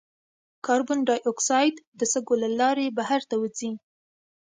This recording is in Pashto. کاربن ډای اکساید د سږو له لارې بهر ته وځي.